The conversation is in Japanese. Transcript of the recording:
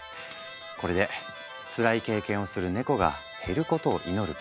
これでつらい経験をするネコが減ることを祈るばかり。